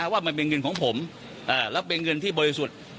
ว่ามันเป็นเงินของผมและเป็นเงินที่บริสุทธิ์